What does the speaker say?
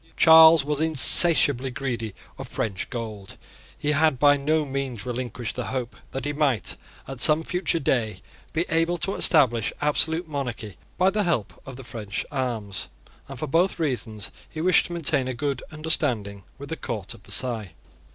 Charles was insatiably greedy of French gold: he had by no means relinquished the hope that he might, at some future day, be able to establish absolute monarchy by the help of the French arms; and for both reasons he wished to maintain a good understanding with the court of Versailles.